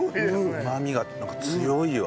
うまみが強いわ。